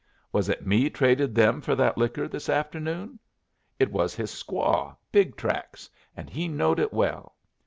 Was it me traded them for that liquor this afternoon? It was his squaw, Big Tracks, and he knowed it well.